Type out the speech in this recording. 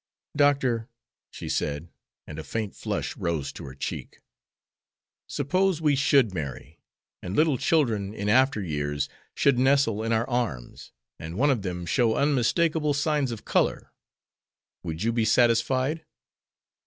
"Doctor," she said, and a faint flush rose to her cheek, "suppose we should marry, and little children in after years should nestle in our arms, and one of them show unmistakable signs of color, would you be satisfied?"